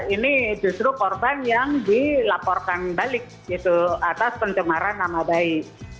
ini justru korban yang dilaporkan balik gitu atas pencemaran nama baik